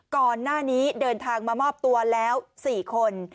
ก่อนหน้านี้เดินทางมามอบตัวแล้ว๔คน